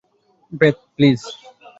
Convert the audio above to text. Bathe, please.